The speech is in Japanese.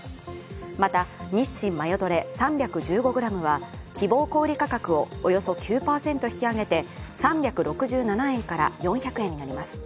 また、日清マヨドレ３１５ｇは希望小売価格をおよそ９％引き上げて、３６７円から４００円になります。